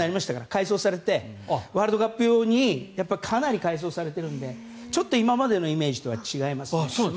改装されてワールドカップ用にかなり改装されているので今までのイメージとは違いますね。